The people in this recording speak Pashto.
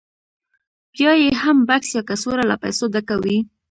بیا یې هم بکس یا کڅوړه له پیسو ډکه وي